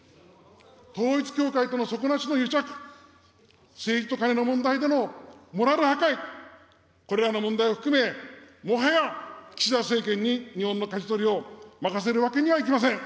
統一教会との底なしの癒着、政治とカネの問題でのモラル破壊、これらの問題を含め、もはや岸田政権に日本のかじ取りを任せるわけにはいきません。